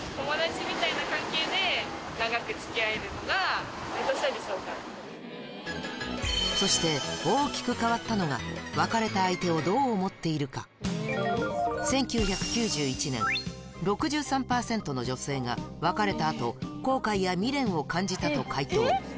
ちなみに恋愛から傾向にそして大きく変わったのが別れた相手をどう思っているか１９９１年６３％の女性が別れた後後悔や未練を感じたと回答